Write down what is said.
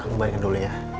kamu balikin dulu ya